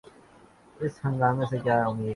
اس ہنگامے سے کیا امید؟